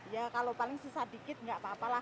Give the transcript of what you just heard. ya kalau paling susah dikit nggak apa apa lah